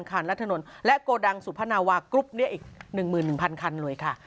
คันและถนนและโกดังสุพนาวากรุ๊ปนี้อีก๑๑๐๐คันเลยค่ะ